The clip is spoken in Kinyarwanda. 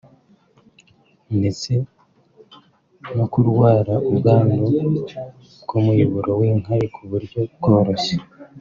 ndetse no kurwara ubwandu bw’umuyoboro w’inkari ku buryo bworoshye